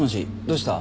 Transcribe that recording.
どうした？